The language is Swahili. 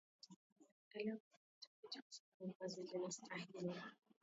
wanaendelea kufanya utafiti wa sera ambazo zitastahili